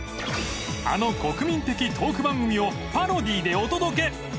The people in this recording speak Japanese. あの国民的トーク番組をパロディでお届け。